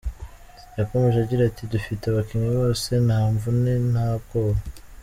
Yakomeje agira ati “Dufite abakinnyi bose, nta mvune, nta bwoba.